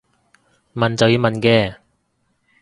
問就要問嘅